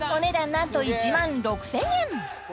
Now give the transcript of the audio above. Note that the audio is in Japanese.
なんと１万６０００円